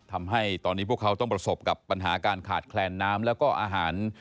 ทำให้ตอนนี้พวกเขาต้องประสบกับปัญหาการขาดแคลนน้ำแล้วก็อาหาร